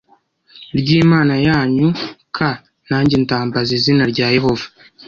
ry imana yanyu k nanjye ndambaza izina rya Yehova